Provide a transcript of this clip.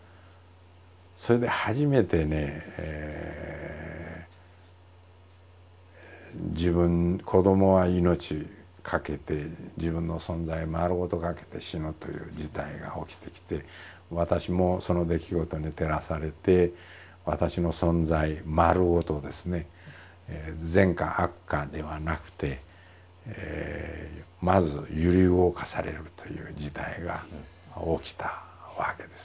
それで初めてね自分子どもは命懸けて自分の存在丸ごと懸けて死ぬという事態が起きてきて私もその出来事に照らされて私の存在丸ごとですね悪か善かではなくてまず揺り動かされるという事態が起きたわけです。